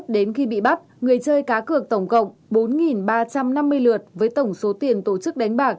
đến khi bị bắt người chơi cá cược tổng cộng bốn ba trăm năm mươi lượt với tổng số tiền tổ chức đánh bạc